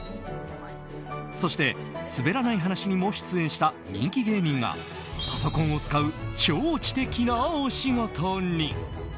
そして「すべらない話」にも出演した人気芸人がパソコンを使う超知的なお仕事に。